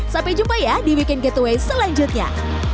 sampai jumpa ya di weekend getaway selanjutnya